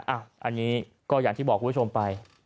อันนี้ก็อย่างที่บอกคุณผู้ชมไป